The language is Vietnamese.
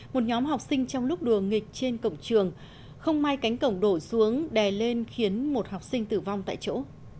một nhóm học sinh trong lúc đùa nghịch trên cổng trường không may cánh cổng đổ xuống đè lên khiến một học sinh tử vong tại chỗ